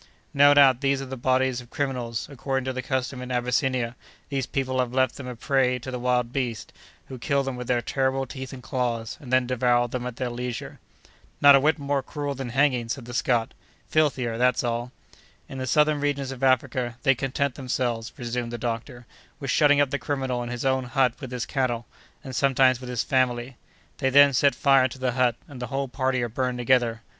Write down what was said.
"No doubt, these are the bodies of criminals; according to the custom in Abyssinia, these people have left them a prey to the wild beasts, who kill them with their terrible teeth and claws, and then devour them at their leisure. "Not a whit more cruel than hanging!" said the Scot; "filthier, that's all!" "In the southern regions of Africa, they content themselves," resumed the doctor, "with shutting up the criminal in his own hut with his cattle, and sometimes with his family. They then set fire to the hut, and the whole party are burned together.